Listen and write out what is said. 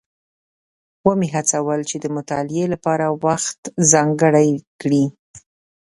ومې هڅول چې د مطالعې لپاره وخت ځانګړی کړي.